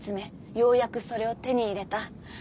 ようやくそれを手に入れた。